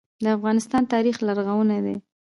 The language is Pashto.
د افغانستان تاریخ لرغونی دی